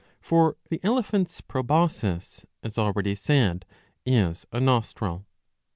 For the elephant's proboscis, as already said, is a nostril.